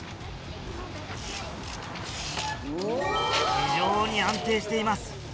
非常に安定しています。